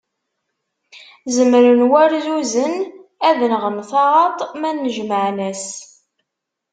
Zemren warzuzen ad nɣen taɣaṭ ma nnejmaɛen-as.